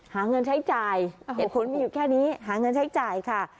หาเงินใช้จ่ายเหตุผลมีอยู่แค่นี้หาเงินใช้จ่ายค่ะ